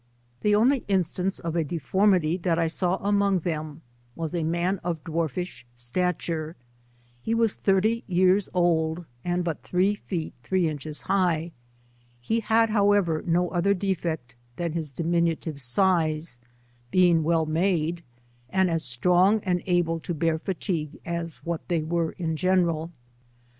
The only instance of deformity that I saw amongst them was a man of 73 dvvarfish stature ; he was thirty years old and but three feet three inches high, he had however no other defect than his diminutive size being well made, and as strong and able to bear fatigue as what they were in general.